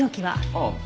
ああ。